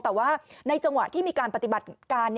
แต่ว่าในจังหวะที่มีการปฏิบัติการ